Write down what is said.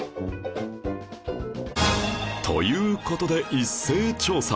という事で一斉調査